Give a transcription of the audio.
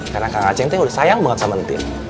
karena kak ngaceng tuh udah sayang banget sama entin